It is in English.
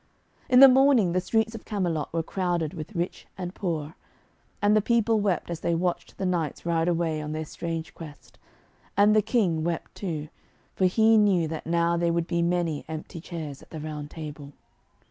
In the morning the streets of Camelot were crowded with rich and poor. And the people wept as they watched the knights ride away on their strange quest. And the King wept too, for he knew that now there would be many empty chairs at the Round Table.